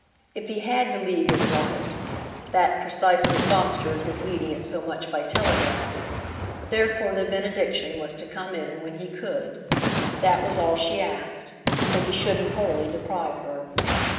If he had to lead his life, that precisely fostered his leading it so much by telegraph: therefore the benediction was to come in when he could. That was all she asked—that he shouldn't wholly deprive her.